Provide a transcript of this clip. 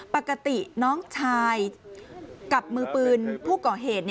ปกติน้องชายกับมือปืนผู้ก่อเหตุ